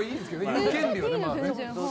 言う権利はね。